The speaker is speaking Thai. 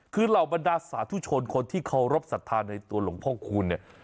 คือเหล่าบรรดาสาธุชนคนที่เคารพสัทธาในตัวหลวงพ่อคูณเนี่ย